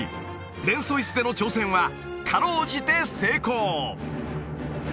レンソイスでの挑戦は辛うじて成功！